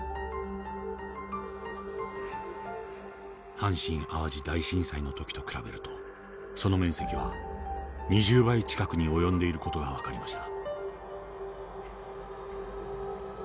阪神淡路大震災の時と比べるとその面積は２０倍近くに及んでいる事が分かりました。